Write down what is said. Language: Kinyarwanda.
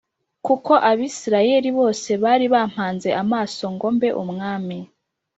kuko Abisirayeli bose bari bampanze amaso ngo mbe umwami.